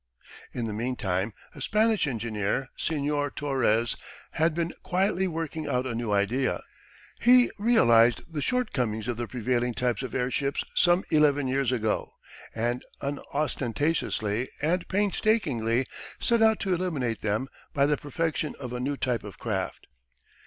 In the meantime a Spanish engineer, Senor Torres, had been quietly working out a new idea. He realised the shortcomings of the prevailing types of airships some eleven years ago, and unostentatiously and painstakingly set out to eliminate them by the perfection of a new type of craft.